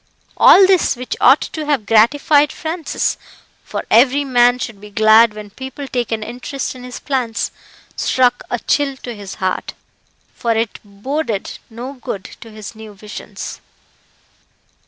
All this, which ought to have gratified Francis for every man should be glad when people take an interest in his plans struck a chill to his heart, for it boded no good to his new visions.